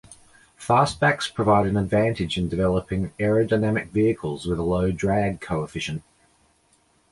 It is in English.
Fastbacks provide an advantage in developing aerodynamic vehicles with a low drag coefficient.